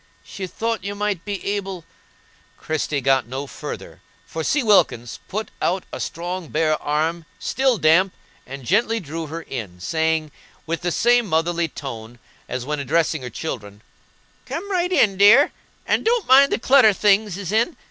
She thought you might be able"— Christie got no further, for C. Wilkins put out a strong bare arm, still damp, and gently drew her in, saying, with the same motherly tone as when addressing her children, "Come right in, dear, and don't mind the clutter things is in.